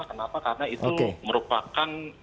kenapa karena itu merupakan